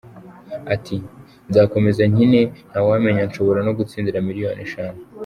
Ati “ Nzakomeza nkine nta wamenya nshobora no gutsindira miliyoni eshanu.